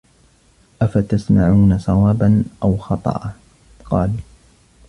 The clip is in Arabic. أَفَتَسْمَعُونَ صَوَابًا أَوْ خَطَأً ؟ قَالُوا